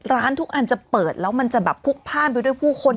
ร้านทุกอันจะเปิดแล้วมันจะแบบพลุกพ่านไปด้วยผู้คน